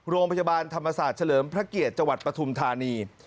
โรงพยาบาลธรรมศาสตร์เฉลิมพระเกียรติจังหวัดปฐุมธานี